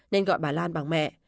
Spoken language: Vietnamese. nên gọi bà lan bằng mẹ